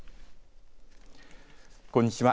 こんにちは。